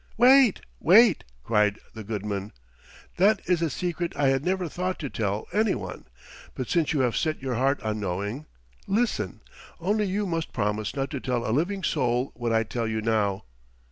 "Wait, wait!" cried the Goodman. "That is a secret I had never thought to tell any one, but since you have set your heart on knowing listen! Only you must promise not to tell a living soul what I tell you now."